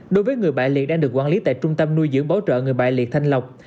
đối với người bại liệt đang được quản lý tại trung tâm nuôi dưỡng bảo trợ người bại liệt thanh lọc